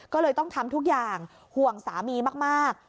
ก็เลยต้องทำทุกอย่างห่วงสามีมาก